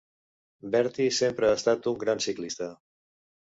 Bertie sempre ha estat un gran ciclista.